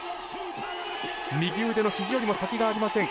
右腕のひじよりも先がありません。